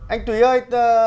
anh túy ơi